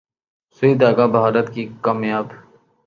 ’سوئی دھاگہ‘ بھارت کی کامیاب